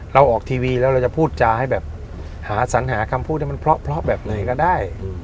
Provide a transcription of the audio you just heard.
เราออกทีวีแล้วเราจะพูดจาให้แบบหาสัญหาคำพูดให้มันเพราะแบบไหนก็ได้